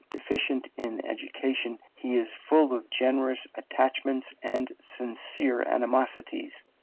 Deficient in education, he is full of generous attachments and sincere animosities.